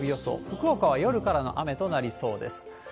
福岡は夜からの雨となりそうです。